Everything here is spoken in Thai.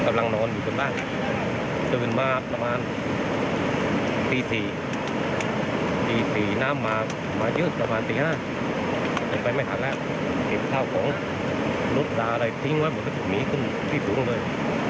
มาอยู่กี่ปีแล้วไม่เคยเห็นสภาพแบบนี้เลย